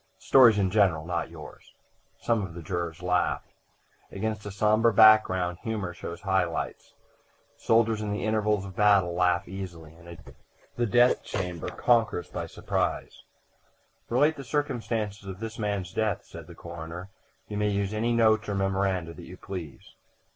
"Stories in general not yours." Some of the jurors laughed. Against a sombre background humor shows high lights. Soldiers in the intervals of battle laugh easily, and a jest in the death chamber conquers by surprise. "Relate the circumstances of this man's death," said the coroner. "You may use any notes or memoranda that you please."